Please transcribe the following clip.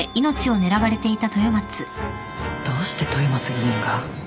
どうして豊松議員が？